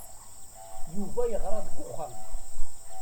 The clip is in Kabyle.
Yuba yeɣra deg uxxam.